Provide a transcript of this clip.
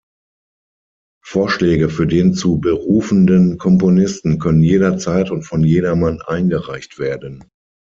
Vorschläge für den zu berufenden Komponisten können jederzeit und von jedermann eingereicht werden.